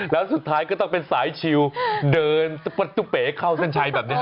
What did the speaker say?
แล้วสุดท้ายก็ต้องเป็นสายชิลเดินตุ๊เป๋เข้าเส้นชัยแบบนี้